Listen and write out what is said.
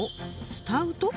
スタウト？